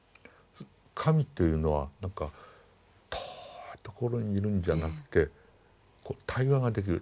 神というのはなんか遠いところにいるんじゃなくてこう対話ができる。